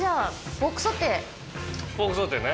ポークソテーね。